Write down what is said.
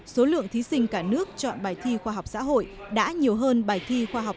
số lượng thí sinh cả nước chọn bài thi khoa học xã hội đã nhiều hơn bài thi khoa học